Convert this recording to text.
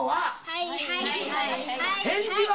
「はい！」